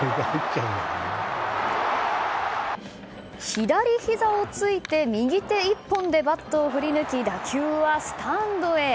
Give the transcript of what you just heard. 左ひざをついて右手１本でバットを振り抜き打球は、スタンドへ！